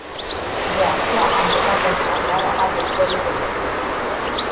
De aceea am votat în favoarea adoptării documentului.